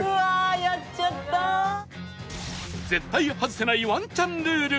絶対外せないワンチャンルール